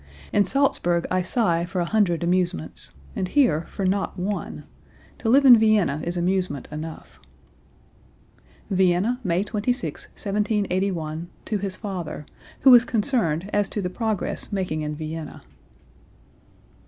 In Salzburg I sigh for a hundred amusements, and here for not one; to live in Vienna is amusement enough." (Vienna, May 26, 1781, to his father, who was concerned as to the progress making in Vienna.)